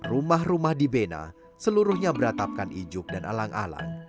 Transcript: rumah rumah di bena seluruhnya beratapkan ijuk dan alang alang